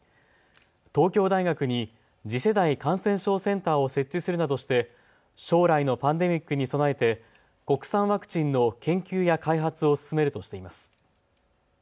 東京大学に次世代感染症センターを設置するなどして将来のパンデミックに備えて国産ワクチンの研究や開発を進めるとしています。